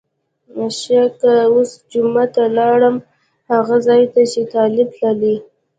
ښه که اوس جمعه ته لاړم هغه ځای ته چې طالب تللی.